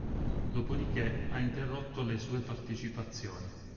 Dopodiché ha interrotto le sue partecipazioni.